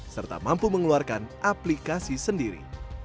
serta mampu mengeluarkan aplikasi sendiri